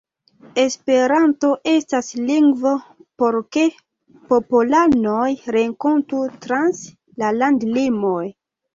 Esperanto estas lingvo por ke popolanoj renkontu trans la landlimoj.